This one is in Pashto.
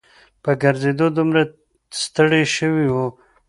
په ګرځېدو دومره ستړي شوي وو.